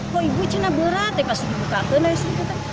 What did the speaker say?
kok ibu cina berat ya pasti ibu kakaknya sih